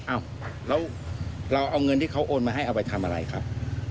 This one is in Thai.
อ้าวแล้วเราเอาเงินที่เขาโอนมาให้เอาไปทำอะไรครับ